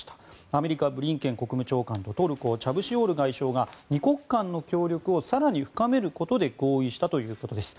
アメリカ、ブリンケン国務長官とトルコ、チャブシオール外相が２国間の協力を更に深めることで合意したということです。